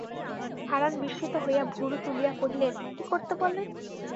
হারান বিস্মিত হইয়া ভুরু তুলিয়া কহিলেন, কী করতে বলেন?